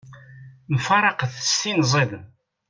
Mfaraqet s tin ziden.